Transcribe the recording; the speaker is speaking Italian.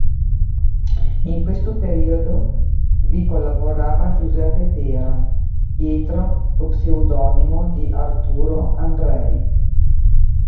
In questo periodo vi collaborava Giuseppe Pera, dietro lo pseudonimo di "Arturo Andrei".